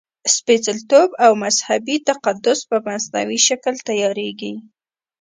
سپېڅلتوب او مذهبي تقدس په مصنوعي شکل تیارېږي.